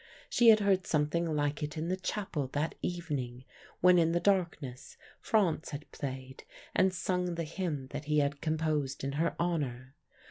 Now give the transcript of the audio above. She had heard something like it in the chapel that evening, when in the darkness Franz had played and sung the hymn that he had composed in her honour.